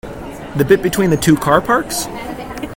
The bit between the two car parks?